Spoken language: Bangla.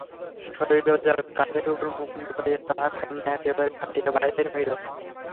শৈলজার কাঁধের উপর মুখ লুকাইয়া তাহার কান্না একেবারে ফাটিয়া বাহির হইল।